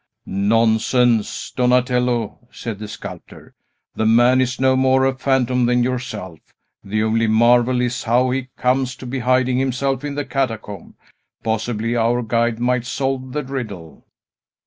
"Nonsense, Donatello," said the sculptor. "The man is no more a phantom than yourself. The only marvel is, how he comes to be hiding himself in the catacomb. Possibly our guide might solve the riddle."